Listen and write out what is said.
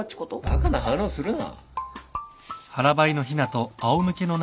バカな反論するな。